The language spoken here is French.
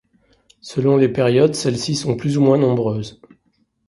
Selon les périodes, celles-ci sont plus ou moins nombreuses.